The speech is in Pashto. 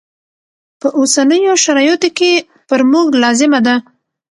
په اوسنیو شرایطو کې پر موږ لازمه ده.